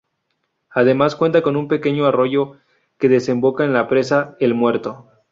Además cuenta un pequeño arroyo que desemboca en la presa "El Muerto".